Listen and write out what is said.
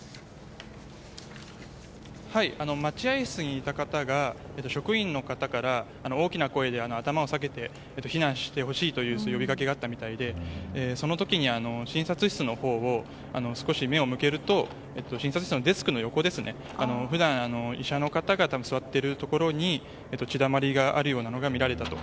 待合室にいた方が職員の方から大きな声で頭を下げて避難してほしいと呼びかけがあったみたいでその時に、診察室のほうに少し目を向けると診察室のデスクの横普段、医者の方が座っているところに血だまりがあるようなのが見られたと。